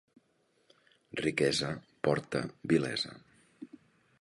Riquesa porta vilesa.